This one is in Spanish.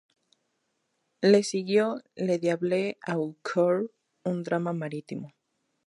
Le siguió "Le Diable au coeur", un drama marítimo.